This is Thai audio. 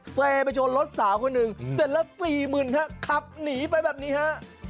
แซ่ไปชนรถสาวคนหนึ่งเสร็จแล้ว๔๐๐๐๐ครับขับหนีไปแบบนี้ฮะ